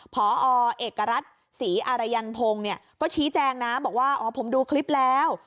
พอเอกรัฐศรีอารยันพงศ์เนี่ยก็ชี้แจงนะบอกว่าอ๋อผมดูคลิปแล้ว